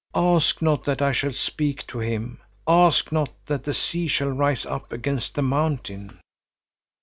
Ask not that I shall speak to him, ask not that the sea shall rise up against the mountain."